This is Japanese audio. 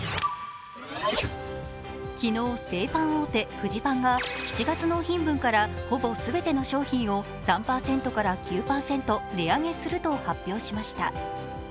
昨日、製パン大手・フジパンが７月納品分からほぼ全ての商品を３％から９％値上げすると発表しました。